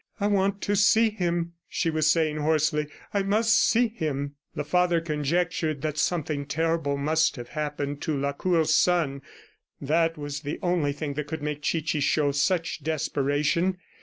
"I want to see him," she was saying hoarsely. "I must see him!" The father conjectured that something terrible must have happened to Lacour's son. That was the only thing that could make Chichi show such desperation.